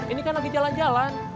ini kan lagi jalan jalan